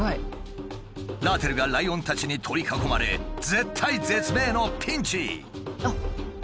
ラーテルがライオンたちに取り囲まれ絶体絶命のピンチ。